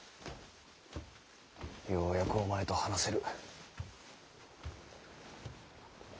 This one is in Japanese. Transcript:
ようやくお前と話せる。